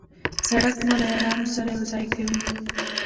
سړک مو له یارانو سره یو ځای کوي.